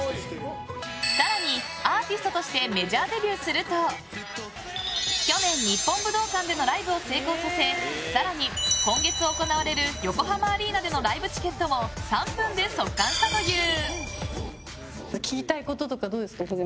更に、アーティストとしてメジャーデビューすると去年、日本武道館でのライブを成功させ更に今月行われる横浜アリーナでのライブチケットも３分で即完したという！